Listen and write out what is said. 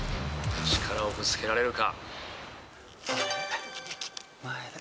力をぶつけられるか。